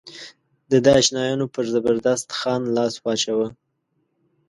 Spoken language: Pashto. د ده اشنایانو پر زبردست خان لاس واچاوه.